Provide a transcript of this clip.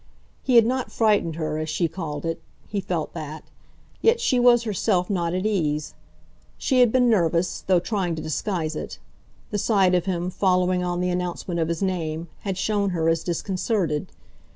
He had not frightened her, as she called it he felt that; yet she was herself not at ease. She had been nervous, though trying to disguise it; the sight of him, following on the announcement of his name, had shown her as disconcerted.